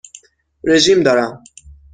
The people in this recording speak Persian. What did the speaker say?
رژیم دارم.